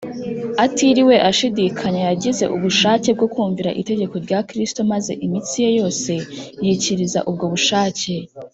Atiriwe ashidikanya, yagize ubushake bwo kumvira itegeko rya Kristo maze imitsi ye yose yikiriza ubwo bushake